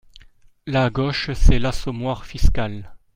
La gauche, c’est l’assommoir fiscal.